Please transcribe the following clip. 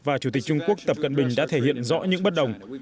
và chủ tịch trung quốc tập cận bình đã thể hiện rõ những bất đồng